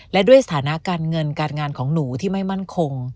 และด้วยสถานะการเงินการงานของหนูที่ไม่มั่นคง